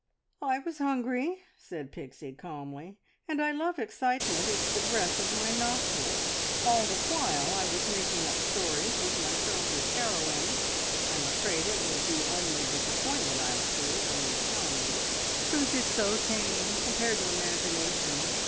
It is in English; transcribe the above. "I was hungry," said Pixie calmly. "And I love excitement; it's the breath of my nostrils. All the while I was making up stories, with myself as heroine. I'm afraid it will be only disappointment I'll feel when you tell me. Truth is so tame, compared to imagination.